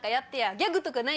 ギャグとか。